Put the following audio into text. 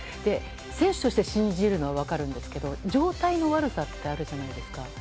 選手として信じるのは分かるんですけど状態の悪さってあるじゃないですか。